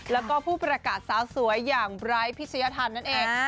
แล้วก็ผู้ประกาศสาวสวยอย่างไบร์ทพิชยธรรมนั่นเอง